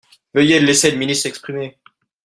Veuillez laisser le ministre s’exprimer.